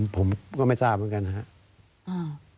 ผมก็ไม่ทราบเหมือนกันนะครับ